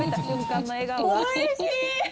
おいしい！